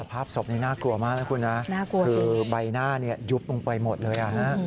ภาพศพนี้น่ากลัวมากนะคุณนะคือใบหน้ายุบลงไปหมดเลย